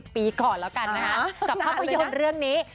๓๐ปีก่อนละกันนะฮะกับความประโยชน์เรื่องนี้